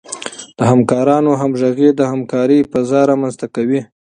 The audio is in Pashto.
د همکارانو همغږي د همکارۍ فضا رامنځته کوي.